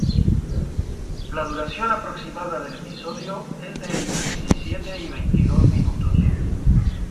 La duración aproximada del episodio es de entre diecisiete y veintidós minutos.